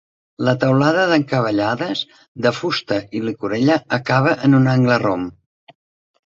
La teulada d'encavallades de fusta i llicorella acaba en un angle rom.